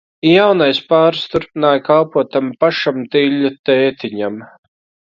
Jaunais pāris turpināja kalpot tam pašam Tiļļu tētiņam.